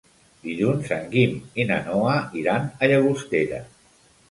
Dilluns en Guim i na Noa iran a Llagostera.